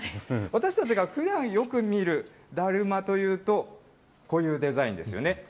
私たちがふだんよく見るだるまというと、こういうデザインですよね。